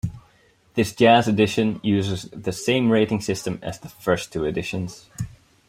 This jazz edition uses the same rating system as the first two editions.